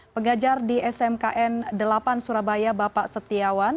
pengajar di smkn delapan surabaya bapak setiawan